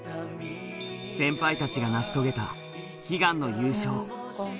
先輩たちが成し遂げた悲願の優勝